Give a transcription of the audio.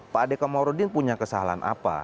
pak adhika mouruddin punya kesalahan apa